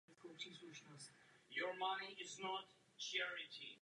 V úředním styku lze češtinu používat také na Slovensku.